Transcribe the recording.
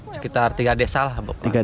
sekitar tiga desa lah